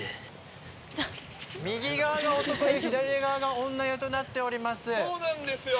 右側が男湯左側が女湯となっております。